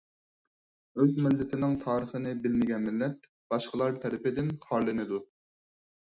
ئۆز مىللىتىنىڭ تارىخىنى بىلمىگەن مىللەت باشقىلار تەرىپىدىن خارلىنىدۇ.